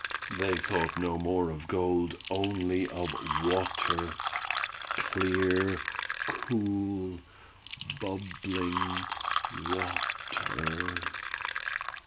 They thought no more of gold, only of water—clear, cool, bubbling water.